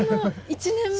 １年前！